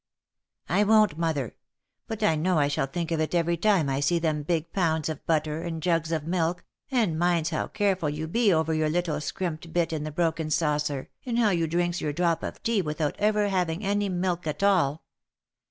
" I won't, mother ; but I know I shall think of it every time I see them big pounds of butter, and jugs of milk, and minds how care ful you be over your little scrimped bit in the broken saucer, and how you drinks your drop of tea without ever having any milk at all."